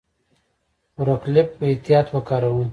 فورک لیفټ په احتیاط وکاروئ.